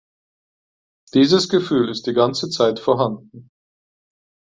Dieses Gefühl ist die ganze Zeit vorhanden.